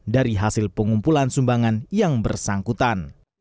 dari hasil pengumpulan sumbangan yang bersangkutan